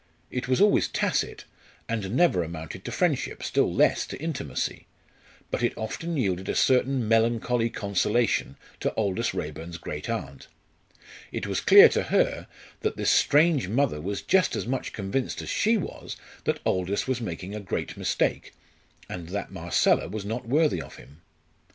It was always tacit, and never amounted to friendship, still less to intimacy. But it often yielded a certain melancholy consolation to Aldous Raeburn's great aunt. It was clear to her that this strange mother was just as much convinced as she was that Aldous was making a great mistake, and that Marcella was not worthy of him.